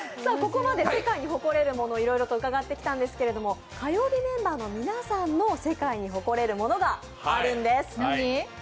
ここまで世界に誇れるものをいろいろと伺ってきたんですけど火曜日メンバーの皆さんの世界に誇れるものがあるんです。